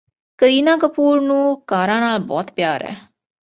ਕਰੀਨਾ ਕਪੂਰ ਨੂੰ ਕਾਰਾਂ ਨਾਲ ਬਹੁਤ ਪਿਆਰ ਹੈ